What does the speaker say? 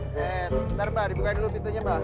bentar mbak dibukain dulu pintunya mbak